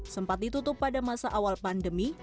sempat ditutup pada masa awal pandemi